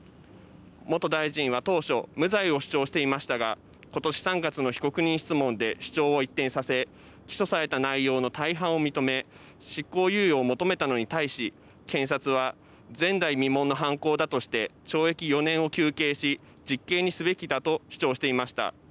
元大臣は当初無罪を主張していましたがことし３月の被告人質問で主張を一転させ起訴された内容の大半を認め執行猶予を求めたのに対し検察は前代未聞の犯行だとして懲役４年を求刑し実刑にすべきだと主張していました。